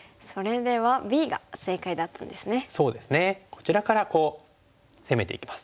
こちらからこう攻めていきます。